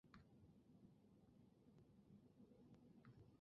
汉承秦制。